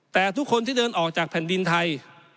แต่ทุกคนที่เดินออกจากแผ่นดินไทย